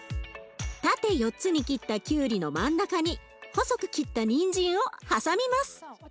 縦４つに切ったきゅうりの真ん中に細く切ったにんじんを挟みます。